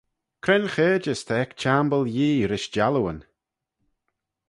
Cre'n chaarjys ta ec çhiamble Yee rish jallooyn?